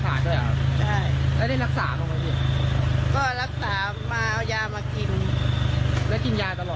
ปกติแกอยู่กับใครอ่ะพี่